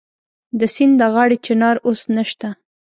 د سیند د غاړې چنار اوس نشته